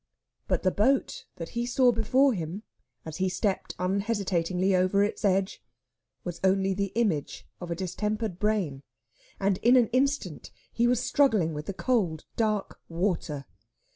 But the boat that he saw before him as he stepped unhesitatingly over its edge was only the image of a distempered brain, and in an instant he was struggling with the cold, dark water.